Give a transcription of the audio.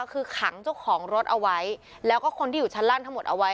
คือขังเจ้าของรถเอาไว้แล้วก็คนที่อยู่ชั้นล่างทั้งหมดเอาไว้